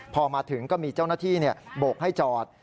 พอมาถึงก็มีเจ้าหน้าที่โบกให้จอด